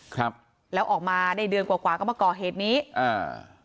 ครับแล้วออกมาได้เดือนกว่ากว่าก็มาก่อเหตุนี้อ่า